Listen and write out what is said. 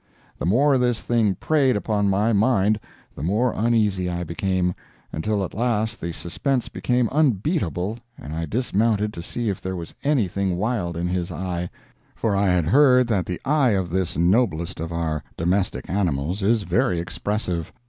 The more this thing preyed upon my mind the more uneasy I became, until at last the suspense became unbeatable and I dismounted to see if there was anything wild in his eye—for I had heard that the eye of this noblest of our domestic animals is very expressive.